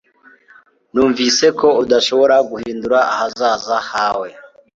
Numvise ko udashobora guhindura ahazaza hawe